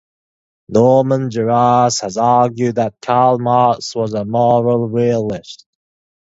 Norman Geras has argued that Karl Marx was a moral realist.